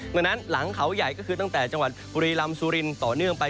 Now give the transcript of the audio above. ดังนั้นหลังเขาใหญ่ก็คือตั้งแต่จังหวัดบุรีลำสุรินต่อเนื่องไป